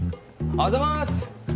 あざます！